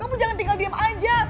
kamu jangan tinggal diam aja